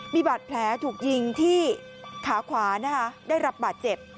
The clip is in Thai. มีบาดแผลถูกยิงที่ขาขวานะคะได้รับบาดเจ็บ